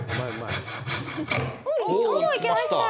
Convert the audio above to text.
おお、行けました。